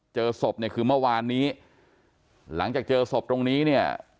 เจอศพเนี่ยคือเมื่อวานนี้หลังจากเจอศพตรงนี้เนี่ย